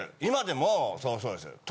今でもそうです。